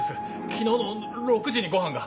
昨日の６時にご飯が。